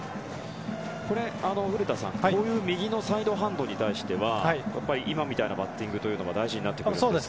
古田さん右のサイドハンドに対しては今みたいなバッティングが大事になってくるんですか？